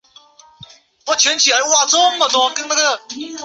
缘毛紫菀为菊科紫菀属的植物。